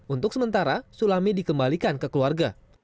untuk sementara sulami dikembalikan ke keluarga